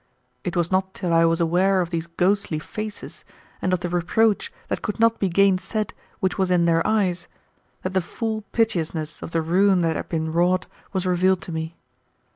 It was not till I was aware of these ghostly faces, and of the reproach that could not be gainsaid which was in their eyes, that the full piteousness of the ruin that had been wrought was revealed to me.